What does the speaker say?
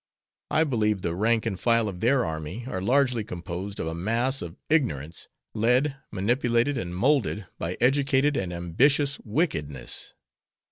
I believe the rank and file of their army are largely composed of a mass of ignorance, led, manipulated, and moulded by educated and ambitious wickedness.